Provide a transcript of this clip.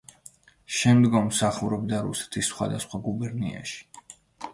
შემდგომ მსახურობდა რუსეთის სხვადასხვა გუბერნიაში.